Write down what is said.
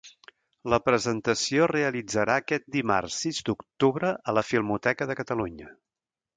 La presentació es realitzarà aquest dimarts sis d'octubre a la Filmoteca de Catalunya.